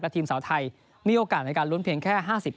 และทีมเสาไทยมีโอกาสในการล้วนเพลงแค่๕๐๕๐เท่านั้นครับ